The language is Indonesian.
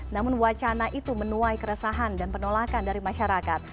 namun wacana itu menuai keresahan dan penolakan dari masyarakat